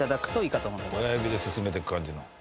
親指で進めていく感じの。